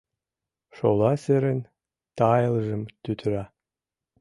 Шола серын тайылжым тӱтыра